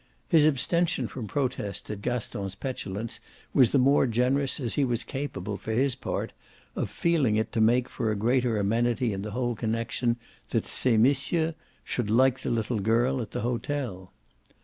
His abstention from protest at Gaston's petulance was the more generous as he was capable, for his part, of feeling it to make for a greater amenity in the whole connexion that ces messieurs should like the little girl at the hotel.